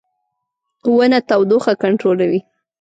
• ونه تودوخه کنټرولوي.